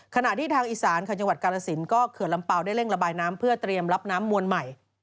ขณะที่ทางอีสานค่ะจังหวัดกาลสินก็เขื่อนลำเปล่าได้เร่งระบายน้ำเพื่อเตรียมรับน้ำมวลใหม่